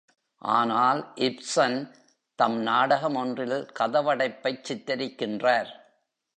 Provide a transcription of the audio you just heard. ஆனால், இப்ஸன் தம் நாடகம் ஒன்றில் கதவடைப்பைச் சித்திரிக்கின்றார்.